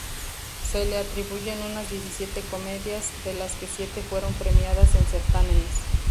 Se le atribuyen unas diecisiete comedias, de las que siete fueron premiadas en certámenes.